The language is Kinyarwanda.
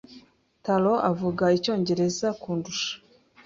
Taro avuga icyongereza kundusha.